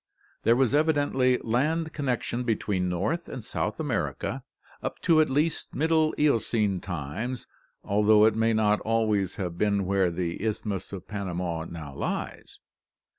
There was evidently land connection between North and South America up to at least middle Eocene times, although it may not always have been where the Isthmus of Panama now lies.